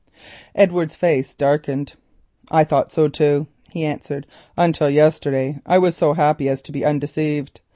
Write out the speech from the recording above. Edward's face darkened. "I thought so too," he answered, "until yesterday, when I was so happy as to be undeceived.